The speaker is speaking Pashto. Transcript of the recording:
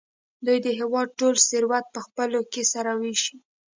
دوی د هېواد ټول ثروت په خپلو کې سره وېشي.